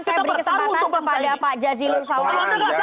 saya beri kesempatan kepada pak zazilul pawais